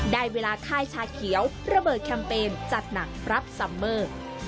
ได้เวลาค่ายชาเขียวระเบิดแคมเปญจัดหนักรับซัมเมอร์